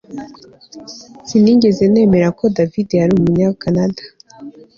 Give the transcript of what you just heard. Sinigeze nizera ko David yari Umunyakanada